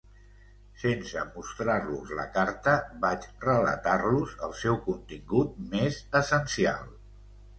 Sense mostrar-los la carta, vaig relatar-los el seu contingut més essencial.